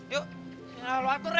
yuk tinggal lo atur deh